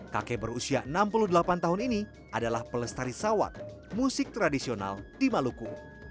kakek berusia enam puluh delapan tahun ini adalah pelestari sawat musik tradisional di maluku